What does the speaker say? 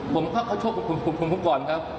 เขาชกกันก่อนครับ